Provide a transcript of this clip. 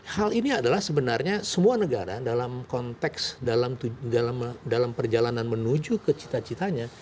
hal ini adalah sebenarnya semua negara dalam konteks dalam perjalanan menuju ke cita citanya